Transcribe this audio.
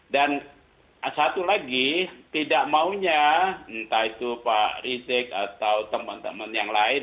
dan satu lagi tidak maunya entah itu pak rizieq atau teman teman yang lain